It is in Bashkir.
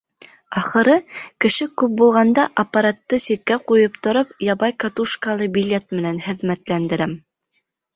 Ахыры, кеше күп булғанда, аппаратты ситкә ҡуйып тороп, ябай катушкалы билет менән хеҙмәтләндерәм.